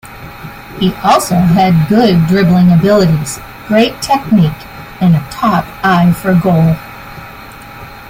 He also had good dribbling abilities, great technique and a top eye for goal.